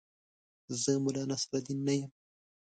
زه ملا نصرالدین نه یم.